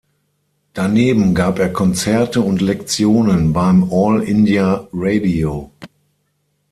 Daneben gab er Konzerte und Lektionen beim All India Radio.